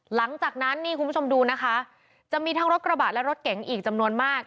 หลังจากนั้นนี่คุณผู้ชมดูนะคะจะมีทั้งรถกระบะและรถเก๋งอีกจำนวนมาก